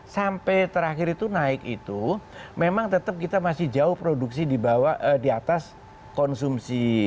sampai terakhir itu naik itu memang tetap kita masih jauh produksi di atas konsumsi